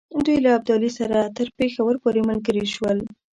دوی له ابدالي سره تر پېښور پوري ملګري شول.